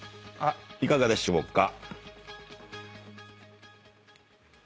いかがでしょうか？